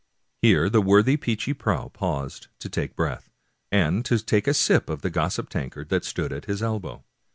Here the worthy Peechy Prauw paused to take breath, and to take a sip of the gossip tankard that stood at his elbow.